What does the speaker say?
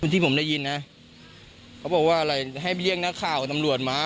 ที่ผมได้ยินนะเขาบอกว่าอะไรให้ไปเรียกนักข่าวกับตำรวจมา